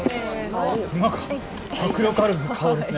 迫力ある顔ですね。